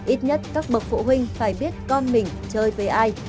ít nhất các bậc phụ huynh phải biết con mình chơi với ai